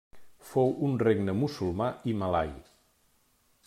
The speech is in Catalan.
Fou un regne musulmà i malai.